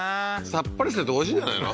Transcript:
さっぱりしてておいしいんじゃないの？